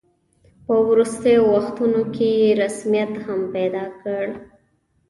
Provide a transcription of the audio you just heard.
په وروستیو وختونو کې یې رسمیت هم پیدا کړ.